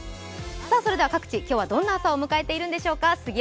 それでは各地、今日はどんな朝を迎えているんでしょうか。